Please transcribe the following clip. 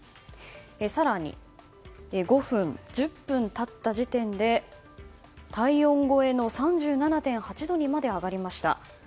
更に５分、１０分経った時点で体温超えの３７．８度にまで上がりました。